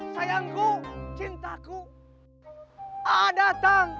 sayangku cintaku datang